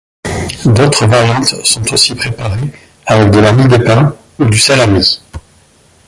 D'autres variantes sont aussi préparées avec de la mie de pain ou du salami.